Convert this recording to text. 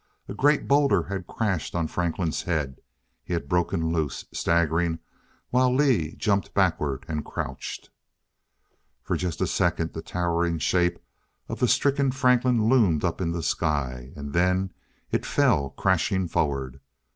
A great boulder had crashed on Franklin's head; he had broken loose, staggering while Lee jumped backward and crouched. For just a second the towering shape of the stricken Franklin loomed up in the sky. And then it fell crashing forward.